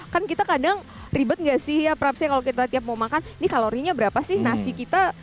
kan kita kadang ribet gak sih ya prapsnya kalau kita tiap mau makan ini kalorinya berapa sih nasi kita